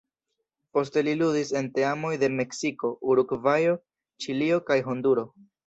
Poste li ludis en teamoj de Meksiko, Urugvajo, Ĉilio kaj Honduro.